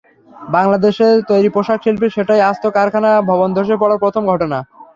বাংলাদেশের তৈরি পোশাকশিল্পে সেটাই আস্ত কারখানা ভবন ধসে পড়ার প্রথম ঘটনা।